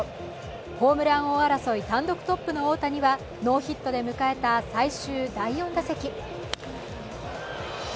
ホームラン王争い単独トップの大谷はノーヒットで迎えた最終第４打席。